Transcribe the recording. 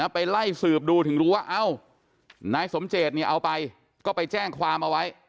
ไปไล่สืบดูถึงรู้ว่าเอ้านายสมเจตเนี่ยเอาไปก็ไปแจ้งความเอาไว้